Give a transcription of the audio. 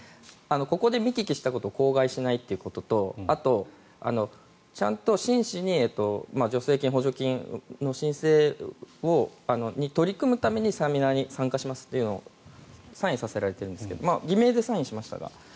ここで見聞きしたことを口外しないということとあと、ちゃんと真摯に助成金、補助金の申請に取り組むためにセミナーに参加しますというのをサインさせられているんですけど偽名でサインしましたが。